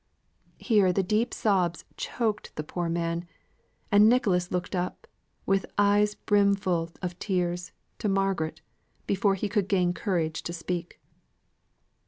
Here the deep sobs choked the poor man and Nicholas looked up, with eyes brimful of tears, to Margaret, before he could gain courage to speak.